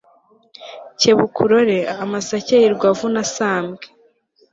kebuka urore amasake yirirwa avuna sambwe